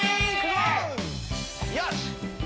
よし！